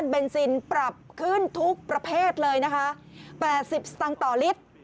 ปรับขึ้นทุกประเภทเลยนะคะแปดสิบสังต่อลิตร